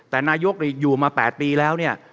แต่นายกอยู่มา๘ปีแล้วเนี่ย